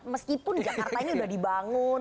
meskipun jakarta ini sudah dibangun